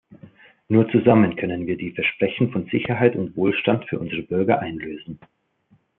Nur zusammen können wir die Versprechen von Sicherheit und Wohlstand für unsere Bürger einlösen.